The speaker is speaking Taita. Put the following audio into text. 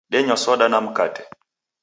Denywa soda na mkate